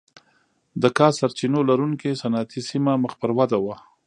د کا سرچینو لرونکې صنعتي سیمه مخ پر وده وه.